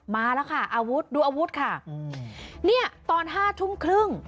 มาแล้วค่ะอาวุธดูอาวุธค่ะเนี่ยตอนห้าทุ่มครึ่ง